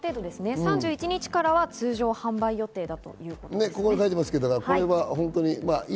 ３１日からは通常販売予定だということです。